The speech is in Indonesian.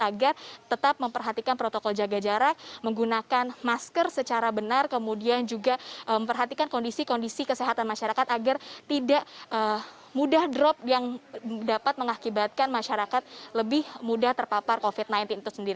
agar tetap memperhatikan protokol jaga jarak menggunakan masker secara benar kemudian juga memperhatikan kondisi kondisi kesehatan masyarakat agar tidak mudah drop yang dapat mengakibatkan masyarakat lebih mudah terpapar covid sembilan belas itu sendiri